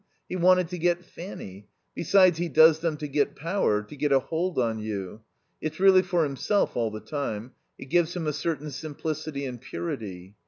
He wanted to get Fanny.... Besides, he does them to get power, to get a hold on you. It's really for himself all the time. It gives him a certain simplicity and purity.